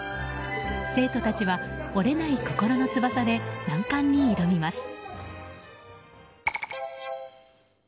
生徒たちは折れない心の翼で難関に挑みます。